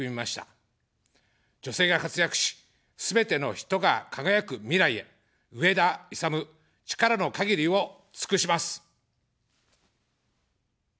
女性が活躍し、すべての人が輝く未来へ、上田いさむ、力の限りを尽くします。